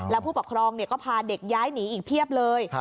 แล้วผู้ปกครองก็พาเด็กย้ายหนีอีกเพียบเลย